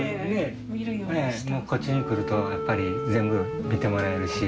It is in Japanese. こっちに来ると全部見てもらえるし。